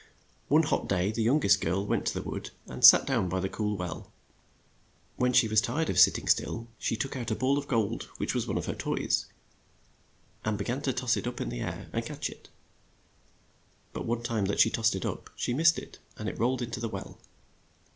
One hot day the young est girl went to the wood and sat down by the cool well. When she tired of sit ting still, she took out a ball of gold, which was one of her toys, and be gan to toss it up in the air and catch it. But one time that she tossed it up, she missed it, and it rolled in to the well.